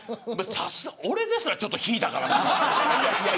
俺ですらちょっと引いたからな。